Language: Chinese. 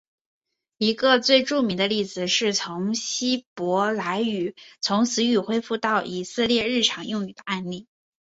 一个最著名的例子是希伯来语从死语恢复到以色列人日常用语的案例。